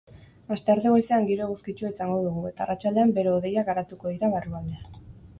Astearte goizean giro eguzkitsua izango dugu eta arratsaldean bero-hodeiak garatuko dira barrualdean.